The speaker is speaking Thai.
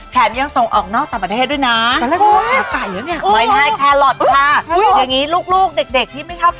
ยังส่งออกนอกต่างประเทศด้วยนะ